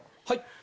はい！